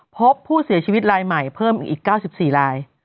พบผู้เสียชีวิตรายใหม่เพิ่มอีก๙๔ลาย